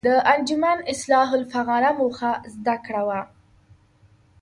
د انجمن اصلاح الافاغنه موخه زده کړه وه.